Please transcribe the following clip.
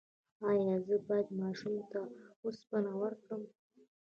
ایا زه باید ماشوم ته اوسپنه ورکړم؟